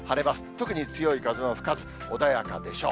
特に強い風も吹かず、穏やかでしょう。